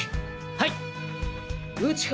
はい。